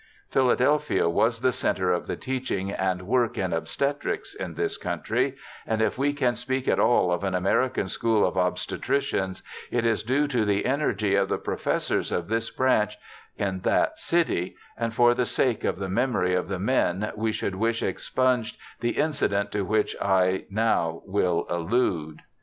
Philadelphia was the centre of the teaching and work in obstetrics in this country, and if we can speak at all of an American school of obstetricians it is due to the energy of the professors of this branch in that city, and for the sake of the memory of the men we could wish expunged the incident to which I will now allude.